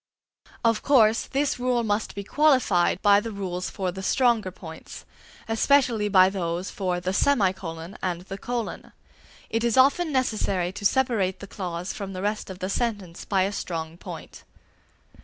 Of course, this rule must be qualified by the rules for the stronger points, especially by those for the semicolon and the colon. It is often necessary to separate the clause from the rest of the sentence by a strong point.